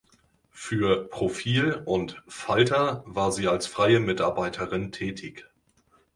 Für profil und Falter war sie als freie Mitarbeiterin tätig.